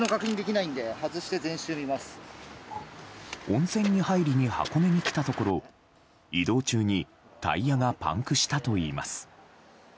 温泉に入りに箱根に来たところ移動中にタイヤがパンクしたといいます。